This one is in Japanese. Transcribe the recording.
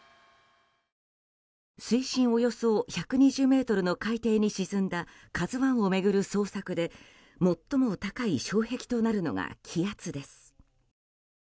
水深およそ１２０ｍの海底に沈んだ「ＫＡＺＵ１」を巡る捜索で最も高い障壁となるのが気圧です。